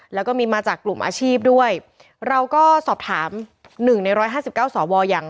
แล้วก็มีมาจากกลุ่มอาชีพด้วยเราก็สอบถาม๑ใน๑๕๙สอวอย่าง